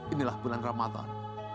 inilah bulan ramadan